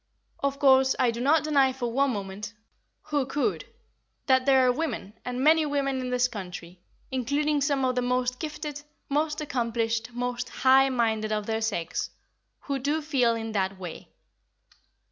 Of course, I do not deny for one moment—who could?—that there are women, and many women in this country, including some of the most gifted, most accomplished, most high minded of their sex, who do feel in that way.